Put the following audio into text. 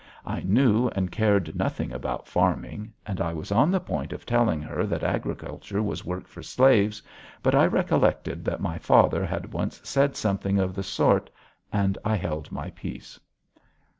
I knew and cared nothing about farming and I was on the point of telling her that agriculture was work for slaves, but I recollected that my father had once said something of the sort and I held my peace.